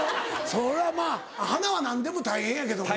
それはまぁ花は何でも大変やけどもな。